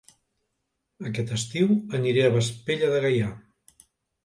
Aquest estiu aniré a Vespella de Gaià